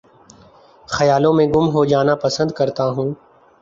خیالوں میں گم ہو جانا پسند کرتا ہوں